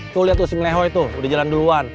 tuh liat tuh si meho itu udah jalan duluan